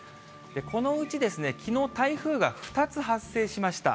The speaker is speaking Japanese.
このうちですね、きのう、台風が２つ発生しました。